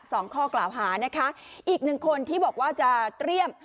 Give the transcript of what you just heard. ข้อกล่าวหานะคะอีกหนึ่งคนที่บอกว่าจะเตรียม